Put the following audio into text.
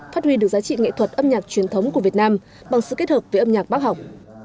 phát huy được giá trị nghệ thuật âm nhạc truyền thống của việt nam bằng sự kết hợp với âm nhạc bác học